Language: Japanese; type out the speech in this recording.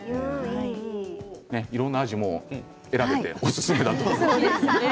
いろんな味も選べておすすめだと。